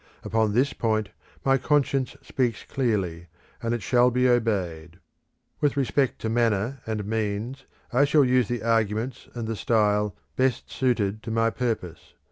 Upon this point my conscience speaks clearly, and it shall be obeyed. With respect to manner and means, I shall use the arguments and the style best suited for my purpose.